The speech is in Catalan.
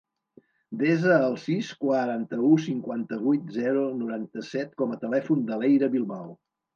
Desa el sis, quaranta-u, cinquanta-vuit, zero, noranta-set com a telèfon de l'Eira Bilbao.